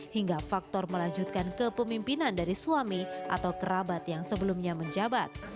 hingga faktor melanjutkan kepemimpinan dari suami atau kerabat yang sebelumnya menjabat